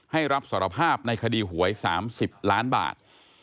ให้รับสารภาพในคดีหวย๓๐ล้านบาท